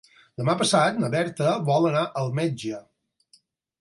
Demà passat na Berta vol anar al metge.